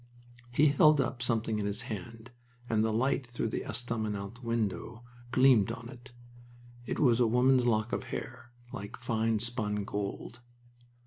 He held up something in his hand, and the light through the estaminet window gleamed on it. It was a woman's lock of hair, like fine spun gold.